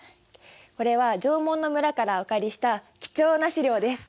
これは縄文の村からお借りした貴重な資料です。